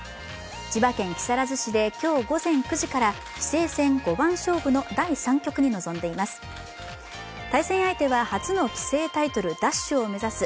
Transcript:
千葉県木更津市で今日午前９時から棋聖戦五番勝負の第３局に臨んでいます。